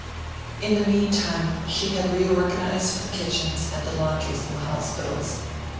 In the meantime, she had reorganised the kitchens and the laundries in the hospitals.